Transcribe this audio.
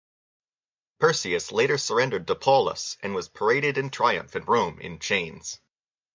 Perseus later surrendered to Paullus, and was paraded in triumph in Rome in chains.